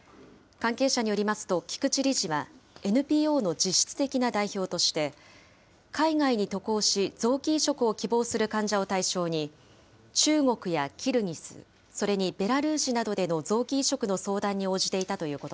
関係者によりますと、菊池理事はＮＰＯの実質的な代表として、海外に渡航し、臓器移植を希望する患者を対象に、中国やキルギス、それにベラルーシなどでの臓器移植の相談に応じていたということ